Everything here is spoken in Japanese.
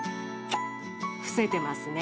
伏せてますね。